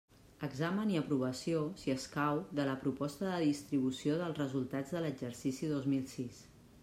Examen i aprovació, si escau, de la proposta de distribució dels resultats de l'exercici dos mil sis.